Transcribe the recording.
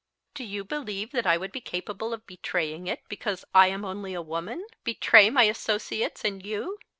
"Do you believe that I would be capable of betraying it, because I am only a woman? Betray my associates and you!